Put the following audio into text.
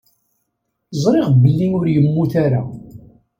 Ẓriɣ belli ur yemmut ara.